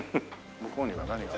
向こうには何が？